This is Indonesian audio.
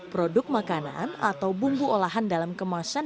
produk makanan atau bumbu olahan dalam kemasan